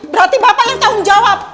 berarti bapak yang tanggung jawab